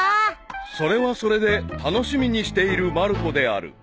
［それはそれで楽しみにしているまる子である］